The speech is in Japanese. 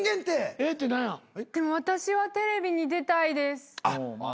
でも私はテレビに出たいです。